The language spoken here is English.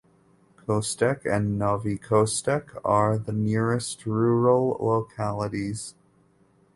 Kostek and Novy Kostek are the nearest rural localities.